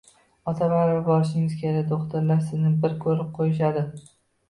Ota, baribir borishingiz kerak, do`xtirlar sizni bir ko`rib qo`yishadi